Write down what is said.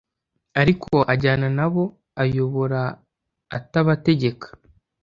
ariko ajyana n’abo ayobora atabategeka